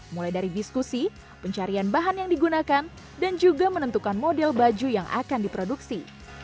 mulai dari diskusi pencarian bahan yang digunakan dan juga menentukan model baju yang akan diproduksi